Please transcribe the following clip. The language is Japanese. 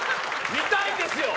見たいんですよ！